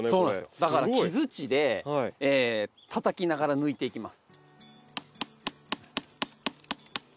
だから木づちでたたきながら抜いていきます。